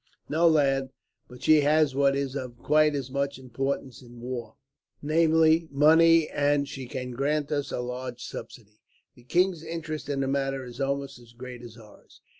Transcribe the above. "No, lad, but she has what is of quite as much importance in war namely, money, and she can grant us a large subsidy. The king's interest in the matter is almost as great as ours.